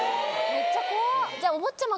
めっちゃ怖っ。